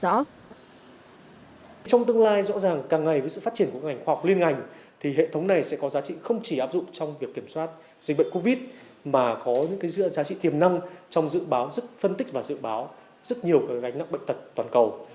trong tương lai rõ ràng càng ngày với sự phát triển của ngành khoa học liên ngành thì hệ thống này sẽ có giá trị không chỉ áp dụng trong việc kiểm soát dịch bệnh covid mà có những giá trị tiềm năng trong dự báo phân tích và dự báo rất nhiều gánh nặng bệnh tật toàn cầu